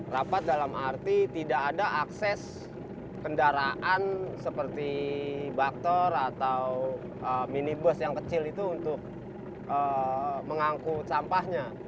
rapat dalam arti tidak ada akses kendaraan seperti bakter atau minibus yang kecil itu untuk mengangkut sampahnya